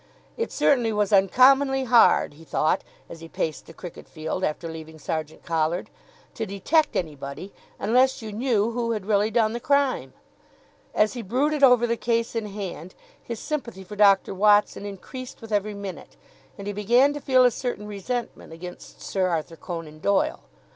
It certainly was uncommonly hard, he thought, as he paced the cricket field after leaving Sergeant Collard, to detect anybody, unless you knew who had really done the crime. As he brooded over the case in hand, his sympathy for Dr. Watson increased with every minute, and he began to feel a certain resentment against Sir Arthur Conan Doyle.